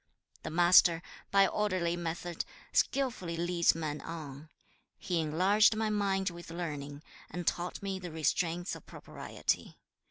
2. 'The Master, by orderly method, skilfully leads men on. He enlarged my mind with learning, and taught me the restraints of propriety.